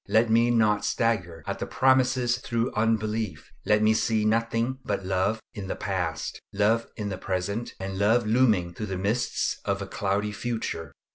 Let me not stagger at the promises through unbelief. Let me see nothing but love in the past, love in the present, and love looming through the mists of a cloudy future.